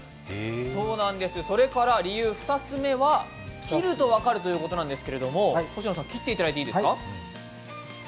それから理由２つ目は切ると分かるということなんですけど、星野さん切っていただいていいですか。